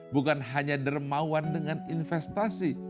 bukan hanya dermawan dengan investasi